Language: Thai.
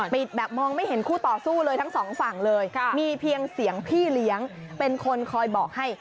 ปิดแบบมองไม่เห็นคู่ต่อสู้เลยทั้งสองฝั่งเลยมีเพียงเสียงพี่เลี้ยงเป็นคนคอยบอกให้